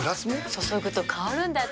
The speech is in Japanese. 注ぐと香るんだって。